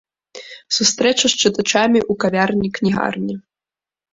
Сустрэча з чытачамі ў кавярні-кнігарні.